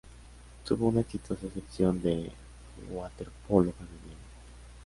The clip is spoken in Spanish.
Tuvo una exitosa sección de waterpolo femenino.